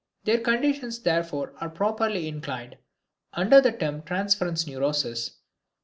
Their conditions therefore are properly included under the term transference neuroses.